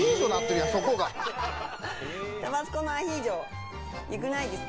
タバスコのアヒージョ良くないですか？